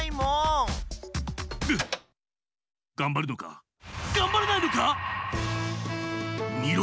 がんばるのかがんばらないのか⁉みろ！